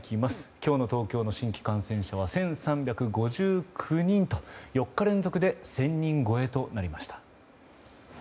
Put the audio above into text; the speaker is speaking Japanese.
今日の東京の新規感染者は１３５９人と４日連続で１０００人超えとなりました。